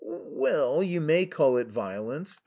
"Well, you may call it violence.